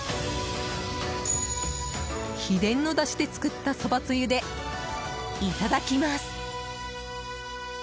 秘伝のだしで作ったそばつゆでいただきます。